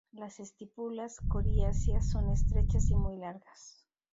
Las estípulas coriáceas son estrechas y muy largas.